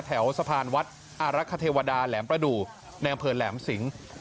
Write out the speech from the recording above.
แถวสะพานวัดอารักษเทวดาแหลมประดูกในอำเภอแหลมสิง